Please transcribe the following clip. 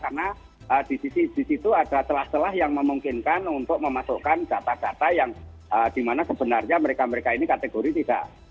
karena di situ ada telah telah yang memungkinkan untuk memasukkan data data yang dimana sebenarnya mereka mereka ini kategori tidak ada